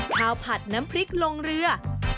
ข้าวผัดน้ำพริกลงเรือ